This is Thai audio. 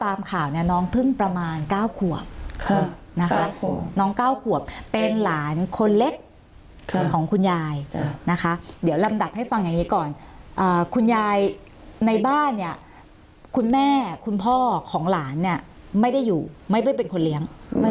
ะของคุณยายนะคะเดี๋ยวลำดับให้ฟังงี้ก่อนคุณยายในบ้านคุณแม่คุณพ่อของหลานเนี่ยไม่ได้อยู่ไม่ได้เป็นคนเลี้ยง